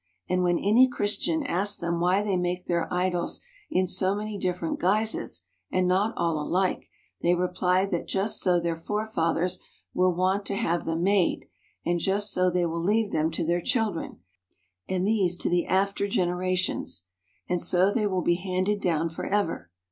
And when any Chris tian asks them why they make their idols in so many different guises, and not all alike, they reply that just so their forefathers were wont to have them made, and just so they will leave them to their children, and these to the after gen erations. And so they will be handed down for ever.